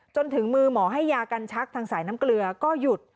จนถึงมือหมอให้ยากันชักทางสายน้ำเกลือก็หยุด